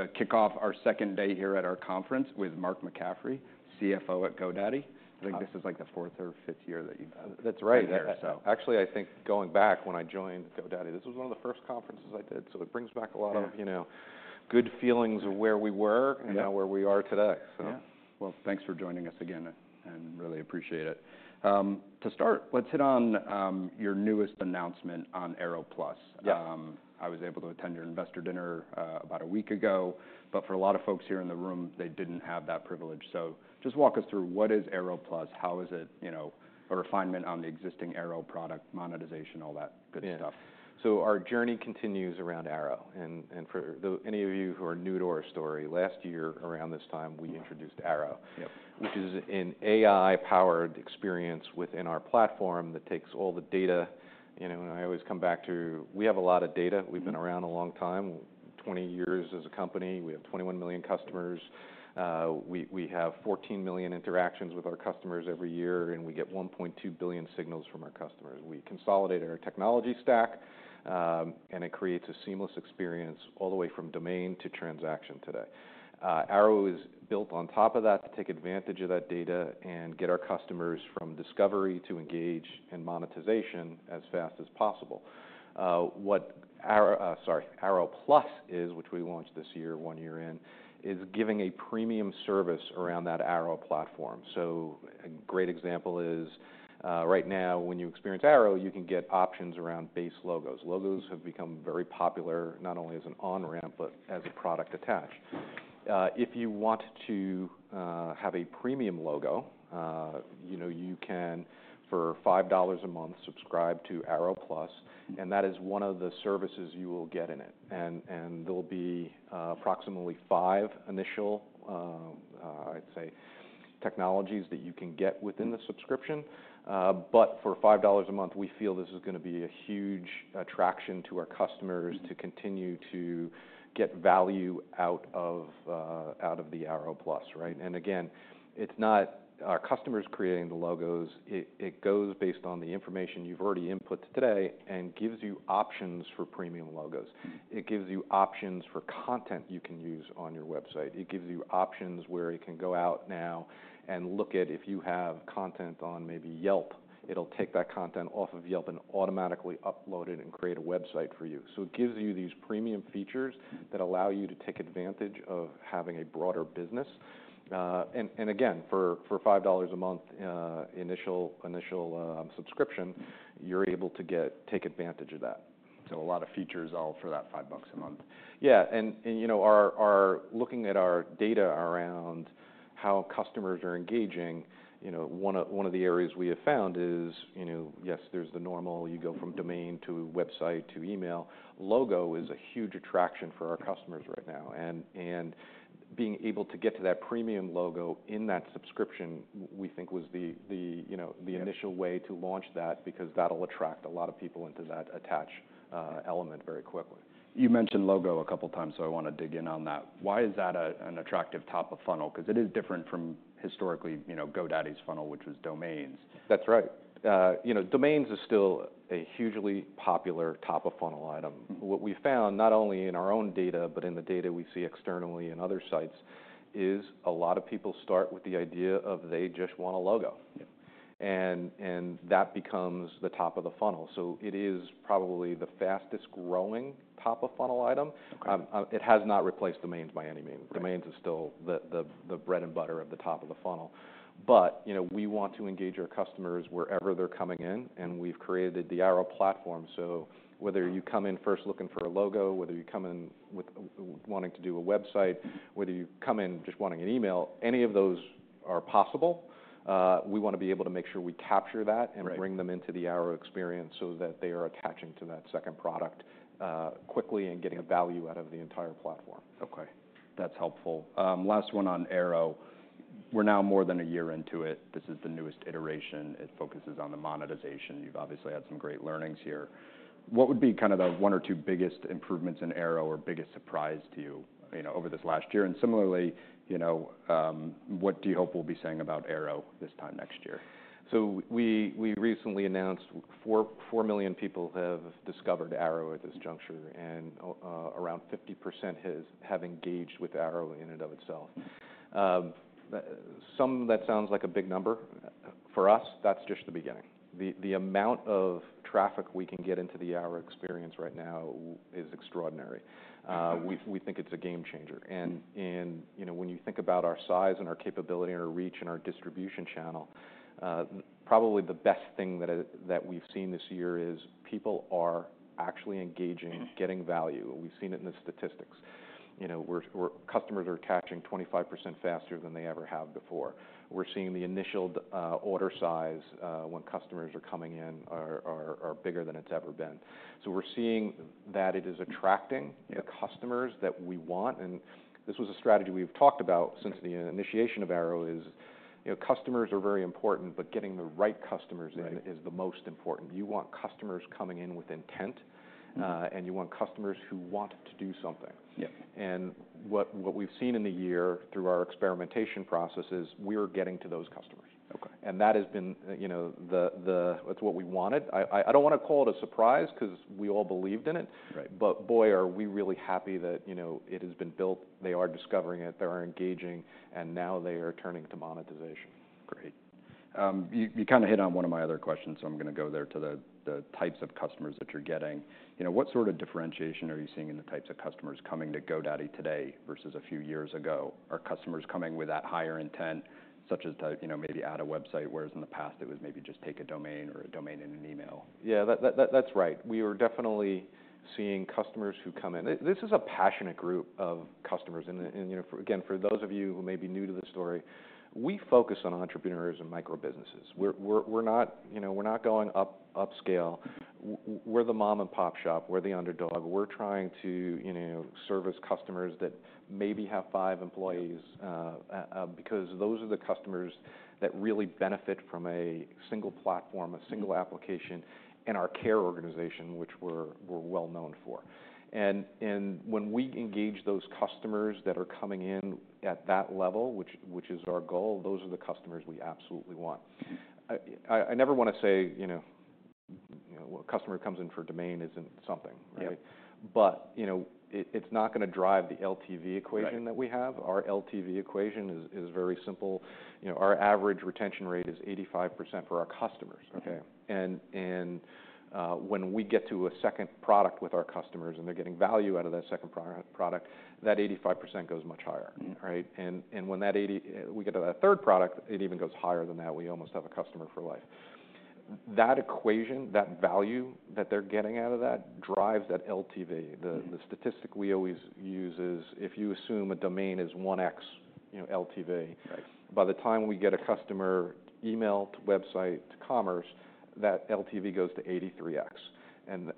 To kick off our second day here at our conference with Mark McCaffrey, CFO at GoDaddy. I think this is like the fourth or fifth year that you've been there. That's right. Actually, I think going back, when I joined GoDaddy, this was one of the first conferences I did. So it brings back a lot of good feelings of where we were and now where we are today. Thanks for joining us again, and really appreciate it. To start, let's hit on your newest announcement on Airo Plus. I was able to attend your investor dinner about a week ago, but for a lot of folks here in the room, they didn't have that privilege. So just walk us through, what is Airo Plus? How is it a refinement on the existing Airo product, monetization, all that good stuff? So our journey continues around Airo. And for any of you who are new to our story, last year around this time, we introduced Airo, which is an AI-powered experience within our platform that takes all the data. I always come back to, we have a lot of data. We've been around a long time, 20 years as a company. We have 21 million customers. We have 14 million interactions with our customers every year, and we get 1.2 billion signals from our customers. We consolidate our technology stack, and it creates a seamless experience all the way from domain to transaction today. Airo is built on top of that to take advantage of that data and get our customers from discovery to engage and monetization as fast as possible. What Airo Plus is, which we launched this year, one year in, is giving a premium service around that Airo platform. A great example is right now, when you experience Airo, you can get options around base logos. Logos have become very popular, not only as an on-ramp, but as a product attach. If you want to have a premium logo, you can, for $5 a month, subscribe to Airo Plus, and that is one of the services you will get in it. There'll be approximately five initial, I'd say, technologies that you can get within the subscription. For $5 a month, we feel this is going to be a huge attraction to our customers to continue to get value out of the Airo Plus. Again, it's not our customers creating the logos. It goes based on the information you've already input today and gives you options for premium logos. It gives you options for content you can use on your website. It gives you options where it can go out now and look at if you have content on maybe Yelp. It'll take that content off of Yelp and automatically upload it and create a website for you. So it gives you these premium features that allow you to take advantage of having a broader business. And again, for $5 a month initial subscription, you're able to take advantage of that. So a lot of features all for that $5 a month. Yeah, and looking at our data around how customers are engaging, one of the areas we have found is, yes, there's the normal you go from domain to website to email. Logo is a huge attraction for our customers right now. And being able to get to that premium logo in that subscription, we think, was the initial way to launch that because that'll attract a lot of people into that attach element very quickly. You mentioned logo a couple of times, so I want to dig in on that. Why is that an attractive top of funnel? Because it is different from historically GoDaddy's funnel, which was domains. That's right. Domains are still a hugely popular top of funnel item. What we found, not only in our own data, but in the data we see externally and other sites, is a lot of people start with the idea of they just want a logo. And that becomes the top of the funnel. So it is probably the fastest growing top of funnel item. It has not replaced domains by any means. Domains is still the bread and butter of the top of the funnel. But we want to engage our customers wherever they're coming in. And we've created the Airo platform. So whether you come in first looking for a logo, whether you come in wanting to do a website, whether you come in just wanting an email, any of those are possible. We want to be able to make sure we capture that and bring them into the Airo experience so that they are attaching to that second product quickly and getting value out of the entire platform. Okay. That's helpful. Last one on Airo. We're now more than a year into it. This is the newest iteration. It focuses on the monetization. You've obviously had some great learnings here. What would be kind of the one or two biggest improvements in Airo or biggest surprise to you over this last year? And similarly, what do you hope we'll be saying about Airo this time next year? So we recently announced 4 million people have discovered Airo at this juncture, and around 50% have engaged with Airo in and of itself. Some that sounds like a big number. For us, that's just the beginning. The amount of traffic we can get into the Airo experience right now is extraordinary. We think it's a game changer. And when you think about our size and our capability and our reach and our distribution channel, probably the best thing that we've seen this year is people are actually engaging, getting value. We've seen it in the statistics. Customers are attaching 25% faster than they ever have before. We're seeing the initial order size when customers are coming in are bigger than it's ever been. So we're seeing that it is attracting the customers that we want. And this was a strategy we've talked about since the initiation of Airo. Customers are very important, but getting the right customers in is the most important. You want customers coming in with intent, and you want customers who want to do something. And what we've seen in the year through our experimentation process is we're getting to those customers. And that has been what we wanted. I don't want to call it a surprise because we all believed in it. But boy, are we really happy that it has been built. They are discovering it. They are engaging. And now they are turning to monetization. Great. You kind of hit on one of my other questions, so I'm going to go there to the types of customers that you're getting. What sort of differentiation are you seeing in the types of customers coming to GoDaddy today versus a few years ago? Are customers coming with that higher intent, such as to maybe add a website, whereas in the past it was maybe just take a domain or a domain and an email? Yeah, that's right. We were definitely seeing customers who come in. This is a passionate group of customers. And again, for those of you who may be new to the story, we focus on entrepreneurs and microbusinesses. We're not going upscale. We're the mom and pop shop. We're the underdog. We're trying to service customers that maybe have five employees because those are the customers that really benefit from a single platform, a single application, and our Care organization, which we're well known for. And when we engage those customers that are coming in at that level, which is our goal, those are the customers we absolutely want. I never want to say a customer who comes in for a domain isn't something. But it's not going to drive the LTV equation that we have. Our LTV equation is very simple. Our average retention rate is 85% for our customers. When we get to a second product with our customers and they're getting value out of that second product, that 85% goes much higher. When we get to that third product, it even goes higher than that. We almost have a customer for life. That equation, that value that they're getting out of that drives that LTV. The statistic we always use is if you assume a domain is 1x LTV, by the time we get a customer email to website to commerce, that LTV goes to 83x.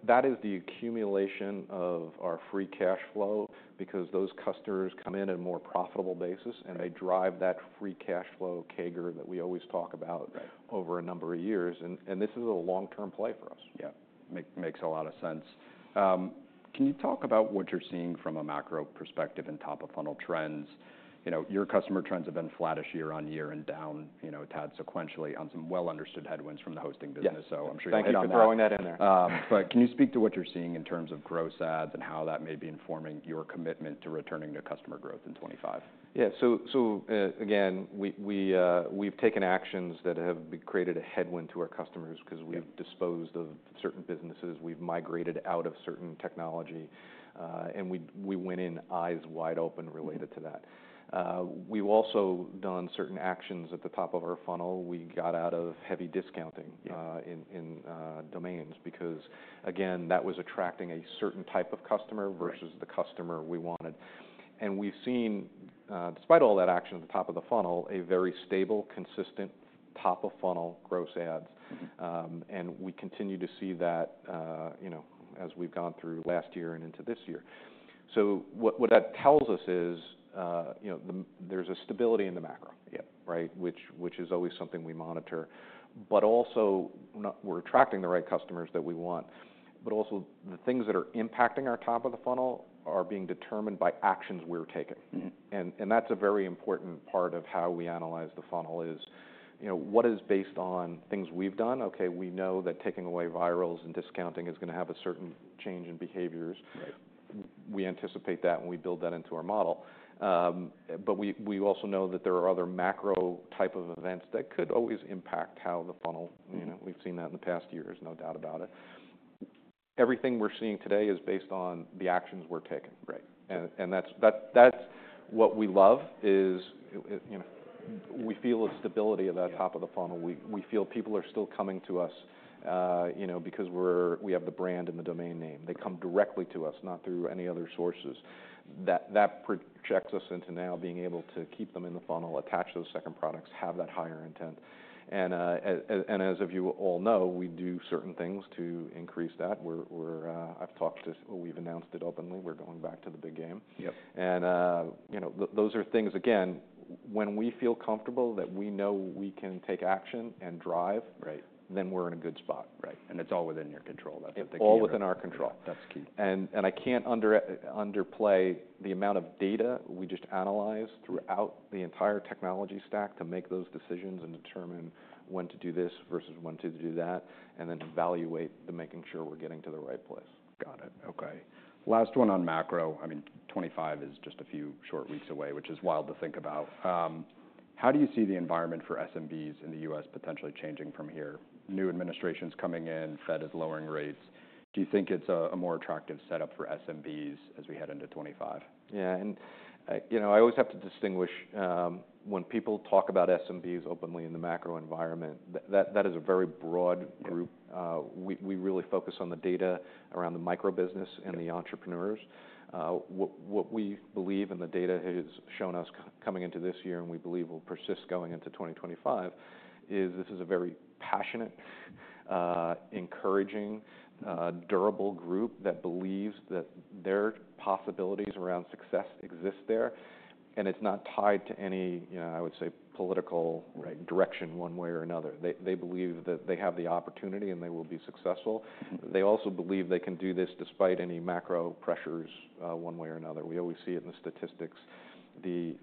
That is the accumulation of our free cash flow because those customers come in on a more profitable basis, and they drive that free cash flow CAGR that we always talk about over a number of years. This is a long-term play for us. Yeah. Makes a lot of sense. Can you talk about what you're seeing from a macro perspective and top of funnel trends? Your customer trends have been flattish year on year and down a tad sequentially on some well-understood headwinds from the hosting business. So I'm sure you're not going to. Thank you for throwing that in there. But can you speak to what you're seeing in terms of gross adds and how that may be informing your commitment to returning to customer growth in 2025? Yeah. So again, we've taken actions that have created a headwind to our customers because we've disposed of certain businesses. We've migrated out of certain technology. And we went in eyes wide open related to that. We've also done certain actions at the top of our funnel. We got out of heavy discounting in domains because, again, that was attracting a certain type of customer versus the customer we wanted. And we've seen, despite all that action at the top of the funnel, a very stable, consistent top of funnel gross adds. And we continue to see that as we've gone through last year and into this year. So what that tells us is there's a stability in the macro, which is always something we monitor. But also, we're attracting the right customers that we want. But also, the things that are impacting our top of the funnel are being determined by actions we're taking. And that's a very important part of how we analyze the funnel is what is based on things we've done. Okay, we know that taking away virals and discounting is going to have a certain change in behaviors. We anticipate that, and we build that into our model. But we also know that there are other macro type of events that could always impact how the funnel. We've seen that in the past years, no doubt about it. Everything we're seeing today is based on the actions we're taking. And that's what we love, is we feel a stability of that top of the funnel. We feel people are still coming to us because we have the brand and the domain name. They come directly to us, not through any other sources. That projects us into now being able to keep them in the funnel, attach those second products, have that higher intent, and as you all know, we do certain things to increase that. I've talked about. We've announced it openly. We're going back to the Big Game, and those are things, again, when we feel comfortable that we know we can take action and drive, then we're in a good spot. Right. And it's all within your control. That's the key. It's all within our control. That's key. I can't underplay the amount of data we just analyze throughout the entire technology stack to make those decisions and determine when to do this versus when to do that, and then evaluate, making sure we're getting to the right place. Got it. Okay. Last one on macro. I mean, 2025 is just a few short weeks away, which is wild to think about. How do you see the environment for SMBs in the U.S. potentially changing from here? New administrations coming in, Fed is lowering rates. Do you think it's a more attractive setup for SMBs as we head into 2025? Yeah. And I always have to distinguish when people talk about SMBs openly in the macro environment, that is a very broad group. We really focus on the data around the microbusiness and the entrepreneurs. What we believe and the data has shown us coming into this year, and we believe will persist going into 2025, is this a very passionate, encouraging, durable group that believes that their possibilities around success exist there. And it's not tied to any, I would say, political direction one way or another. They believe that they have the opportunity and they will be successful. They also believe they can do this despite any macro pressures one way or another. We always see it in the statistics. The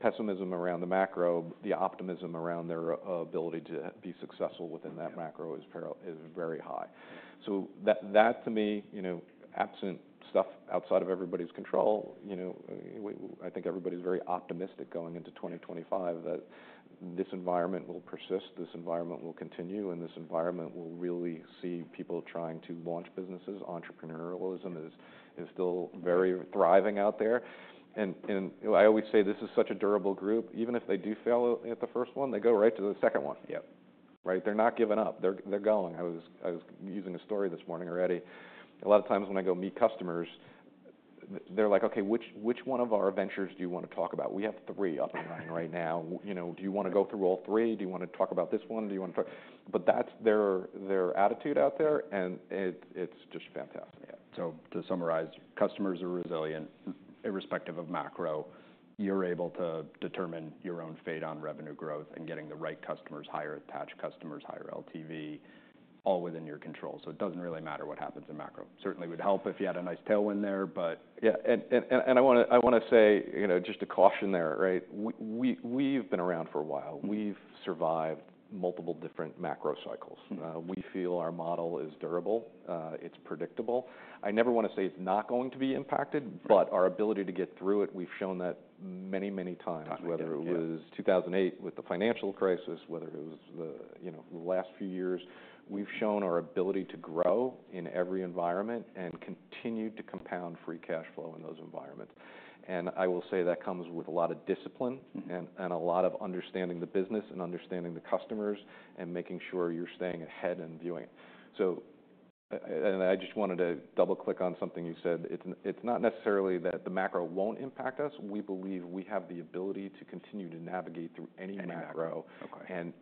pessimism around the macro, the optimism around their ability to be successful within that macro is very high. So that, to me, absent stuff outside of everybody's control, I think everybody's very optimistic going into 2025 that this environment will persist, this environment will continue, and this environment will really see people trying to launch businesses. Entrepreneurialism is still very thriving out there. And I always say this is such a durable group. Even if they do fail at the first one, they go right to the second one. They're not giving up. They're going. I was using a story this morning already. A lot of times when I go meet customers, they're like, "Okay, which one of our ventures do you want to talk about?" We have three up and running right now. Do you want to go through all three? Do you want to talk about this one? Do you want to talk? But that's their attitude out there, and it's just fantastic. Yeah. So to summarize, customers are resilient irrespective of macro. You're able to determine your own fate on revenue growth and getting the right customers, higher attached customers, higher LTV, all within your control. So it doesn't really matter what happens in macro. Certainly would help if you had a nice tailwind there, but. Yeah. And I want to say just a caution there. We've been around for a while. We've survived multiple different macro cycles. We feel our model is durable. It's predictable. I never want to say it's not going to be impacted, but our ability to get through it, we've shown that many, many times, whether it was 2008 with the financial crisis, whether it was the last few years. We've shown our ability to grow in every environment and continue to compound free cash flow in those environments. And I will say that comes with a lot of discipline and a lot of understanding the business and understanding the customers and making sure you're staying ahead and viewing. So I just wanted to double-click on something you said. It's not necessarily that the macro won't impact us. We believe we have the ability to continue to navigate through any macro and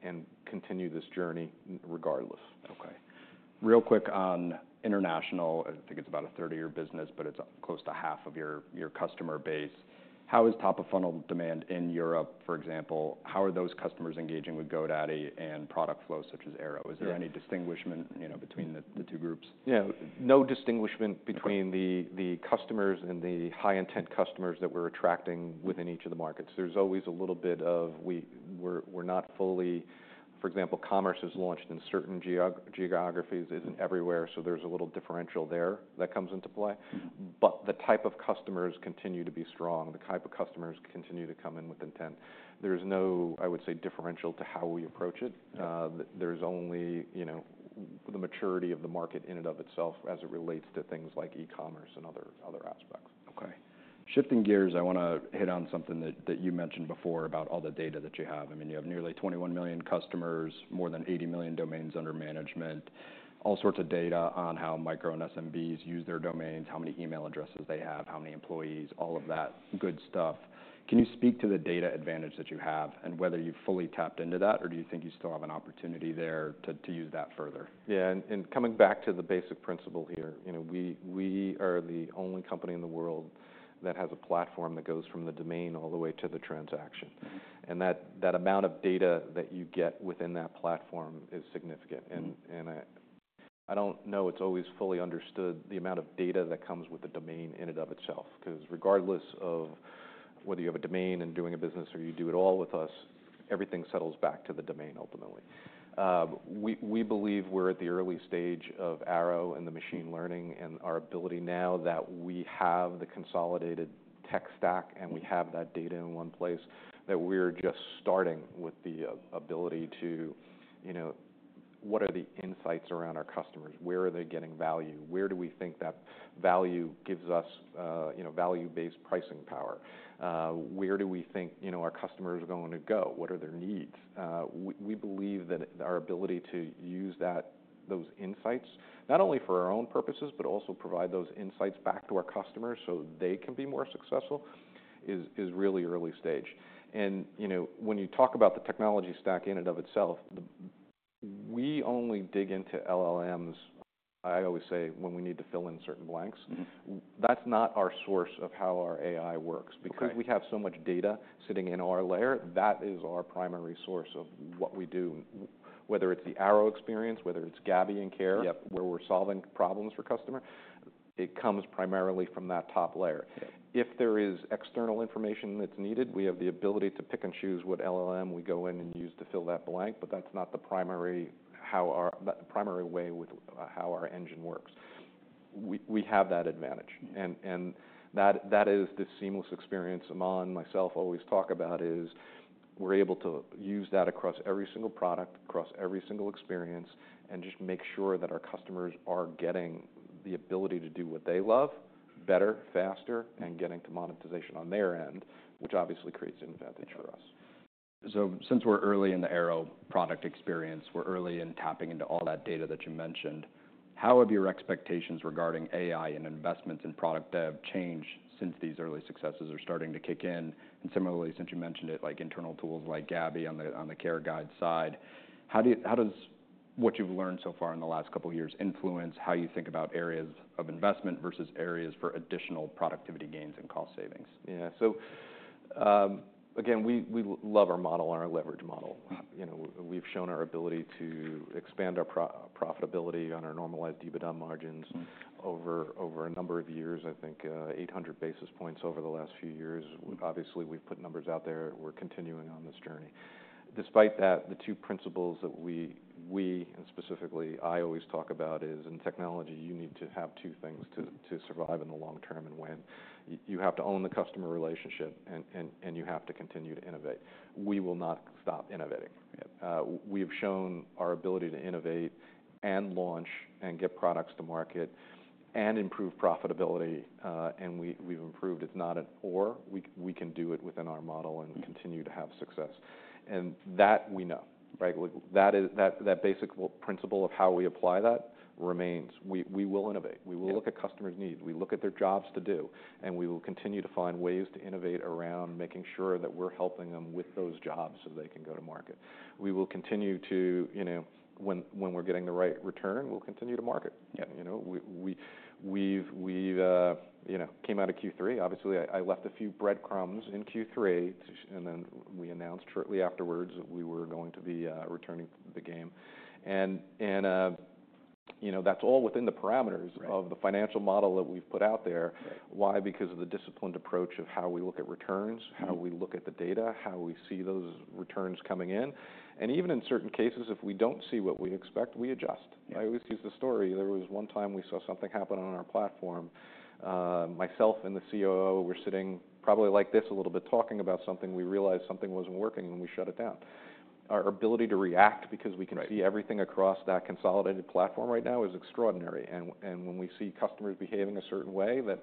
continue this journey regardless. Okay. Real quick on international, I think it's about a 30-year business, but it's close to half of your customer base. How is top of funnel demand in Europe, for example? How are those customers engaging with GoDaddy and product flows such as Airo? Is there any distinction between the two groups? Yeah. No distinguishment between the customers and the high-intent customers that we're attracting within each of the markets. There's always a little bit of we're not fully, for example, commerce is launched in certain geographies. It isn't everywhere, so there's a little differential there that comes into play. But the type of customers continue to be strong. The type of customers continue to come in with intent. There is no, I would say, differential to how we approach it. There's only the maturity of the market in and of itself as it relates to things like e-commerce and other aspects. Okay. Shifting gears, I want to hit on something that you mentioned before about all the data that you have. I mean, you have nearly 21 million customers, more than 80 million domains under management, all sorts of data on how micro and SMBs use their domains, how many email addresses they have, how many employees, all of that good stuff. Can you speak to the data advantage that you have and whether you've fully tapped into that, or do you think you still have an opportunity there to use that further? Yeah. And coming back to the basic principle here, we are the only company in the world that has a platform that goes from the domain all the way to the transaction. And that amount of data that you get within that platform is significant. And I don't know, it's always fully understood the amount of data that comes with the domain in and of itself because regardless of whether you have a domain and doing a business or you do it all with us, everything settles back to the domain ultimately. We believe we're at the early stage of Airo and the machine learning and our ability now that we have the consolidated tech stack and we have that data in one place that we're just starting with the ability to what are the insights around our customers? Where are they getting value? Where do we think that value gives us value-based pricing power? Where do we think our customers are going to go? What are their needs? We believe that our ability to use those insights, not only for our own purposes, but also provide those insights back to our customers so they can be more successful, is really early stage, and when you talk about the technology stack in and of itself, we only dig into LLMs. I always say when we need to fill in certain blanks, that's not our source of how our AI works because we have so much data sitting in our layer. That is our primary source of what we do, whether it's the Airo experience, whether it's Gabby and Care where we're solving problems for customers. It comes primarily from that top layer. If there is external information that's needed, we have the ability to pick and choose what LLM we go in and use to fill that blank, but that's not the primary way with how our engine works. We have that advantage. And that is the seamless experience Aman, myself, always talk about is we're able to use that across every single product, across every single experience, and just make sure that our customers are getting the ability to do what they love better, faster, and getting to monetization on their end, which obviously creates an advantage for us. So since we're early in the Airo product experience, we're early in tapping into all that data that you mentioned. How have your expectations regarding AI and investments in product dev changed since these early successes are starting to kick in? And similarly, since you mentioned it, like internal tools like Gabby on the customer care side, how does what you've learned so far in the last couple of years influence how you think about areas of investment versus areas for additional productivity gains and cost savings? Yeah, so again, we love our model and our leverage model. We've shown our ability to expand our profitability on our Normalized EBITDA margins over a number of years. I think 800 basis points over the last few years. Obviously, we've put numbers out there. We're continuing on this journey. Despite that, the two principles that we, and specifically I always talk about is in technology, you need to have two things to survive in the long term and win. You have to own the customer relationship, and you have to continue to innovate. We will not stop innovating. We have shown our ability to innovate and launch and get products to market and improve profitability. And we've improved. It's not an or we can do it within our model and continue to have success. And that we know. That basic principle of how we apply that remains. We will innovate. We will look at customers' needs. We look at their jobs to do, and we will continue to find ways to innovate around making sure that we're helping them with those jobs so they can go to market. We will continue to when we're getting the right return, we'll continue to market. We came out of Q3. Obviously, I left a few breadcrumbs in Q3, and then we announced shortly afterwards that we were going to be returning the game, and that's all within the parameters of the financial model that we've put out there. Why? Because of the disciplined approach of how we look at returns, how we look at the data, how we see those returns coming in, and even in certain cases, if we don't see what we expect, we adjust. I always use the story. There was one time we saw something happen on our platform. Myself and the COO were sitting probably like this a little bit talking about something. We realized something wasn't working, and we shut it down. Our ability to react because we can see everything across that consolidated platform right now is extraordinary. And when we see customers behaving a certain way that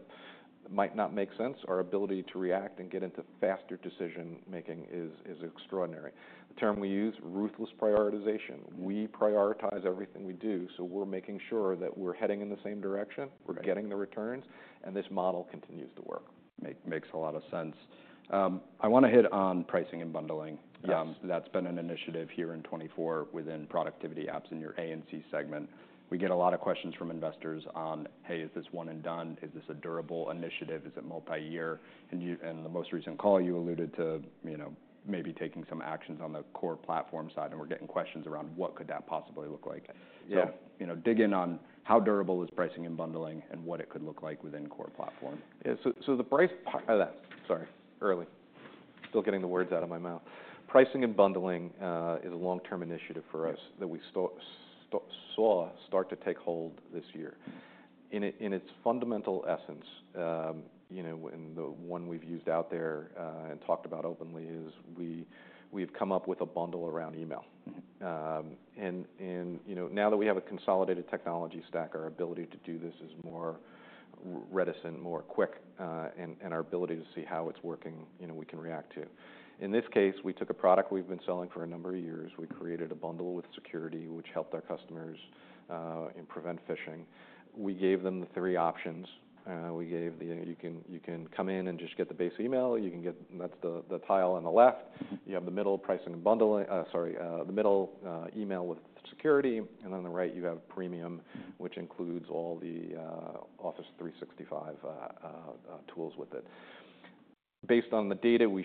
might not make sense, our ability to react and get into faster decision-making is extraordinary. The term we use, ruthless prioritization. We prioritize everything we do, so we're making sure that we're heading in the same direction, we're getting the returns, and this model continues to work. Makes a lot of sense. I want to hit on pricing and bundling. That's been an initiative here in 2024 within productivity apps in your A&C segment. We get a lot of questions from investors on, "Hey, is this one and done? Is this a durable initiative? Is it multi-year?", and in the most recent call, you alluded to maybe taking some actions on the Core Platform side, and we're getting questions around what could that possibly look like, so dig in on how durable is pricing and bundling and what it could look like within Core Platform. Yeah. So the price part of that, sorry, early. Still getting the words out of my mouth. Pricing and bundling is a long-term initiative for us that we saw start to take hold this year. In its fundamental essence, and the one we've used out there and talked about openly, is we've come up with a bundle around email. And now that we have a consolidated technology stack, our ability to do this is more efficient, more quick, and our ability to see how it's working, we can react to. In this case, we took a product we've been selling for a number of years. We created a bundle with security, which helped our customers prevent phishing. We gave them the three options. We gave the, "You can come in and just get the base email. You can get that's the tile on the left. You have the middle pricing and bundling, sorry, the middle email with security, and on the right, you have premium, which includes all the Office 365 tools with it." Based on the data we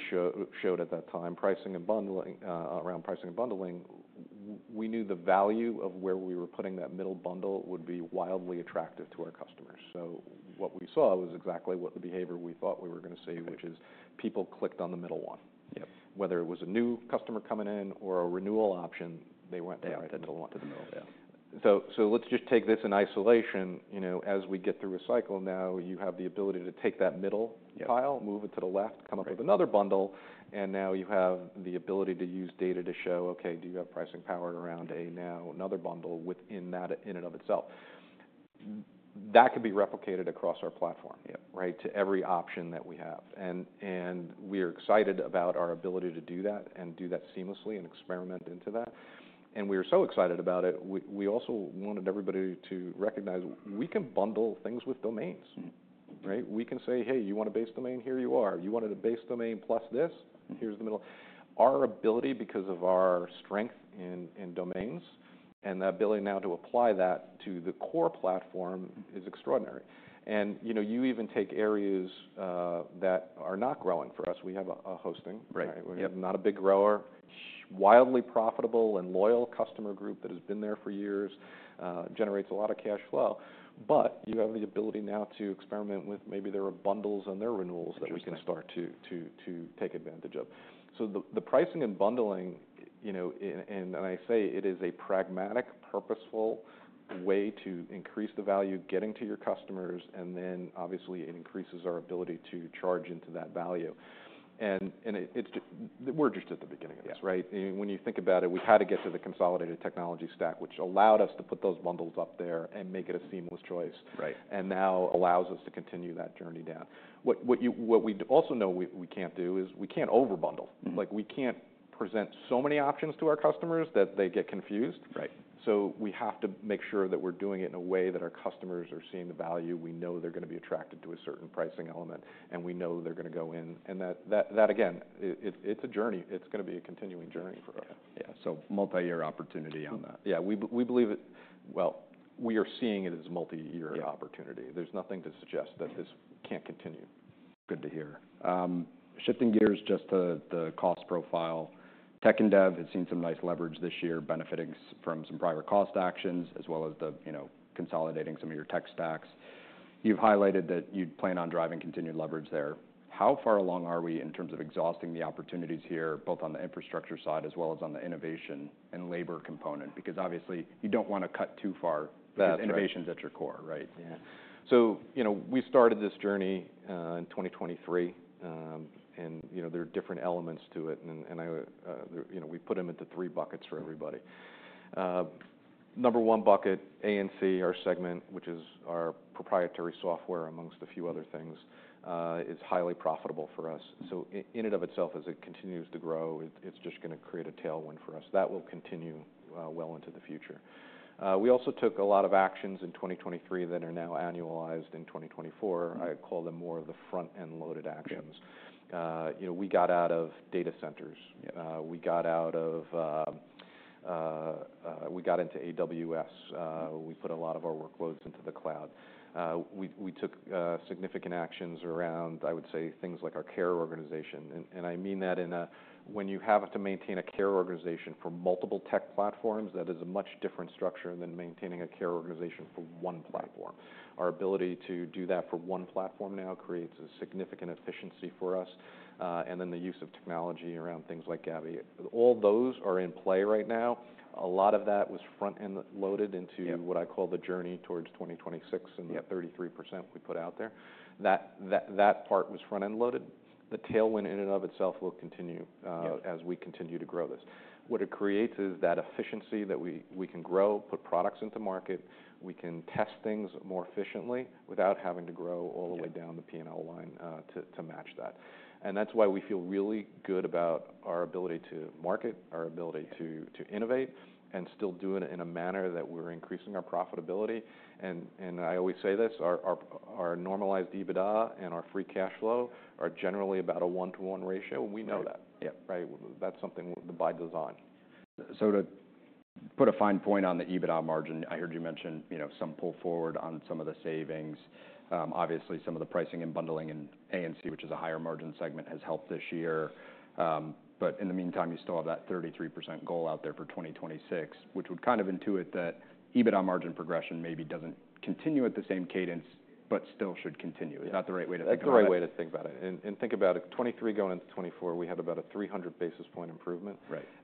showed at that time, pricing and bundling around pricing and bundling, we knew the value of where we were putting that middle bundle would be wildly attractive to our customers, so what we saw was exactly what the behavior we thought we were going to see, which is people clicked on the middle one. Whether it was a new customer coming in or a renewal option, they went to the middle. They went to the middle. Yeah. So let's just take this in isolation. As we get through a cycle now, you have the ability to take that middle pile, move it to the left, come up with another bundle, and now you have the ability to use data to show, "Okay, do you have pricing power around a now another bundle within that in and of itself?" That could be replicated across our platform to every option that we have. And we are excited about our ability to do that and do that seamlessly and experiment into that. And we are so excited about it. We also wanted everybody to recognize we can bundle things with domains. We can say, "Hey, you want a base domain? Here you are. You wanted a base domain plus this? Our ability, because of our strength in domains and the ability now to apply that to the core platform, is extraordinary. And you even take areas that are not growing for us. We have hosting. It's not a big grower, wildly profitable and loyal customer group that has been there for years, generates a lot of cash flow. But you have the ability now to experiment with maybe there are bundles on their renewals that we can start to take advantage of. So the pricing and bundling, and I say it is a pragmatic, purposeful way to increase the value getting to your customers, and then obviously it increases our ability to charge into that value. And we're just at the beginning of this. When you think about it, we had to get to the consolidated technology stack, which allowed us to put those bundles up there and make it a seamless choice and now allows us to continue that journey down. What we also know we can't do is we can't overbundle. We can't present so many options to our customers that they get confused. So we have to make sure that we're doing it in a way that our customers are seeing the value. We know they're going to be attracted to a certain pricing element, and we know they're going to go in. And that, again, it's a journey. It's going to be a continuing journey for us. Yeah. So multi-year opportunity on that. Yeah. We believe, well, we are seeing it as a multi-year opportunity. There's nothing to suggest that this can't continue. Good to hear. Shifting gears just to the cost profile. Tech and dev has seen some nice leverage this year, benefiting from some prior cost actions as well as consolidating some of your tech stacks. You've highlighted that you'd plan on driving continued leverage there. How far along are we in terms of exhausting the opportunities here, both on the infrastructure side as well as on the innovation and labor component? Because obviously, you don't want to cut too far. Innovation's at your core, right? Yeah. So we started this journey in 2023, and there are different elements to it, and we put them into three buckets for everybody. Number one bucket, A&C, our segment, which is our proprietary software among a few other things, is highly profitable for us. So in and of itself, as it continues to grow, it's just going to create a tailwind for us. That will continue well into the future. We also took a lot of actions in 2023 that are now annualized in 2024. I call them more of the front-end loaded actions. We got out of data centers. We got into AWS. We put a lot of our workloads into the cloud. We took significant actions around, I would say, things like our Care organization. I mean that in a way when you have to maintain a Care organization for multiple tech platforms, that is a much different structure than maintaining a Care organization for one platform. Our ability to do that for one platform now creates a significant efficiency for us. And then the use of technology around things like Gabby. All those are in play right now. A lot of that was front-end loaded into what I call the journey towards 2026 and the 33% we put out there. That part was front-end loaded. The tailwind in and of itself will continue as we continue to grow this. What it creates is that efficiency that we can grow, put products into market, we can test things more efficiently without having to grow all the way down the P&L line to match that. And that's why we feel really good about our ability to market, our ability to innovate, and still do it in a manner that we're increasing our profitability. And I always say this, our Normalized EBITDA and our free cash flow are generally about a one-to-one ratio. We know that. That's something by design. So to put a fine point on the EBITDA margin, I heard you mention some pull forward on some of the savings. Obviously, some of the pricing and bundling in A&C, which is a higher margin segment, has helped this year. But in the meantime, you still have that 33% goal out there for 2026, which would kind of intuit that EBITDA margin progression maybe doesn't continue at the same cadence, but still should continue. Is that the right way to think about it? That's the right way to think about it. And think about 2023 going into 2024, we had about a 300 basis point improvement.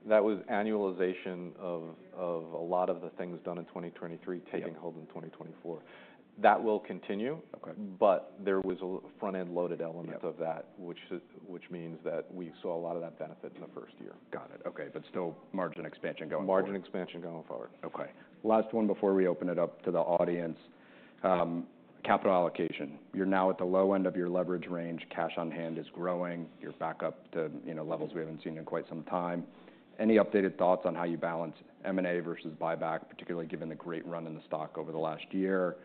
That was annualization of a lot of the things done in 2023 taking hold in 2024. That will continue, but there was a front-end loaded element of that, which means that we saw a lot of that benefit in the first year. Got it. Okay. But still margin expansion going forward. Margin expansion going forward. Okay. Last one before we open it up to the audience. Capital allocation. You're now at the low end of your leverage range. Cash on hand is growing. You're back up to levels we haven't seen in quite some time. Any updated thoughts on how you balance M&A versus buyback, particularly given the great run in the stock over the last year?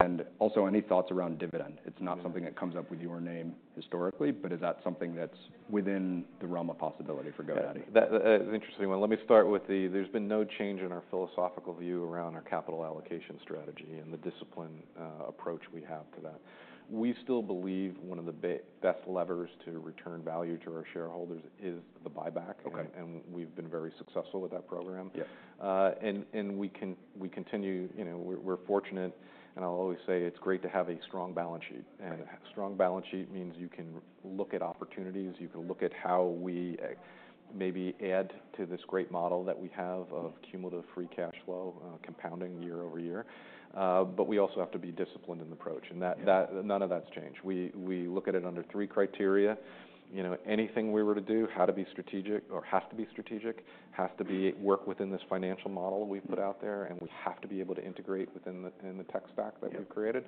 And also any thoughts around dividend? It's not something that comes up with your name historically, but is that something that's within the realm of possibility for GoDaddy? That's an interesting one. Let me start with, there's been no change in our philosophical view around our capital allocation strategy and the discipline approach we have to that. We still believe one of the best levers to return value to our shareholders is the buyback, and we've been very successful with that program. And we continue, we're fortunate, and I'll always say it's great to have a strong balance sheet. And a strong balance sheet means you can look at opportunities, you can look at how we maybe add to this great model that we have of cumulative free cash flow compounding year over year. But we also have to be disciplined in the approach, and none of that's changed. We look at it under three criteria. Anything we were to do, how to be strategic or has to be strategic, has to work within this financial model we've put out there, and we have to be able to integrate within the tech stack that we've created.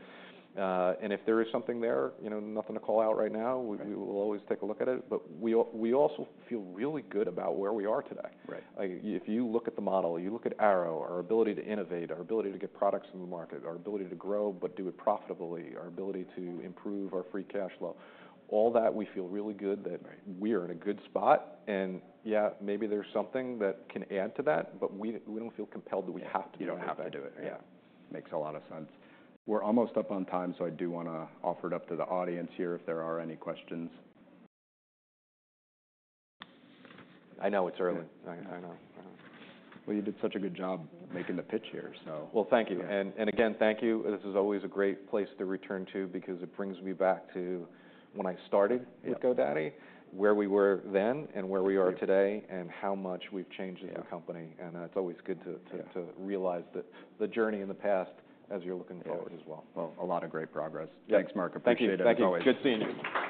If there is something there, nothing to call out right now, we will always take a look at it. We also feel really good about where we are today. If you look at the model, you look at Airo, our ability to innovate, our ability to get products in the market, our ability to grow but do it profitably, our ability to improve our free cash flow, all that we feel really good that we are in a good spot. Yeah, maybe there's something that can add to that, but we don't feel compelled that we have to do that. You don't have to do it. Yeah. Makes a lot of sense. We're almost up on time, so I do want to offer it up to the audience here if there are any questions. I know it's early. I know. Well, you did such a good job making the pitch here, so. Thank you. And again, thank you. This is always a great place to return to because it brings me back to when I started with GoDaddy, where we were then and where we are today and how much we've changed as a company. It's always good to realize the journey in the past as you're looking forward as well. A lot of great progress. Thanks, Mark. Appreciate it as always. Thanks. Good seeing you.